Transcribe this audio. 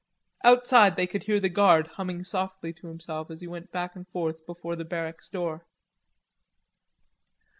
Outside they could hear the guard humming softly to himself as he went back and forth before the barracks door.